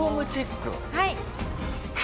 はい。